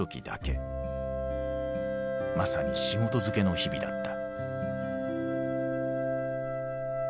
まさに仕事づけの日々だった。